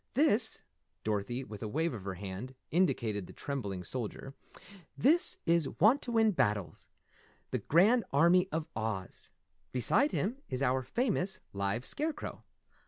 This " Dorothy, with a wave of her hand, indicated the trembling soldier, "This is Wantowin Battles, the Grand Army of Oz. Beside him is our famous, live Scarecrow.